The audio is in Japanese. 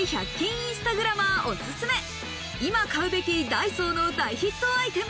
インスタグラマーおすすめ、今買うべきダイソーの大ヒットアイテム。